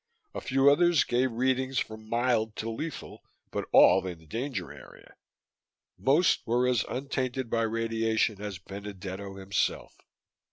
A few others gave readings from "mild" to "lethal" but all in the danger area. _Most were as untainted by radiation as Benedetto himself.